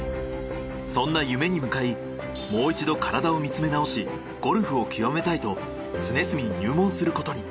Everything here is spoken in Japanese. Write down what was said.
そんな夢に向かいもう一度体を見つめ直しゴルフを極めたいと常住に入門することに。